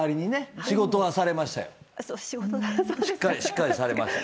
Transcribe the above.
しっかりされました。